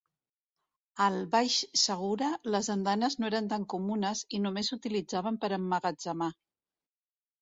Al Baix Segura, les andanes no eren tan comunes, i només s'utilitzaven per a emmagatzemar.